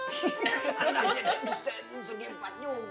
udah jadi segi empat juga